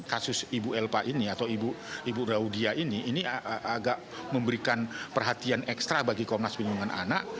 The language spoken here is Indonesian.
kasus ibu elpa ini atau ibu raudia ini ini agak memberikan perhatian ekstra bagi komnas perlindungan anak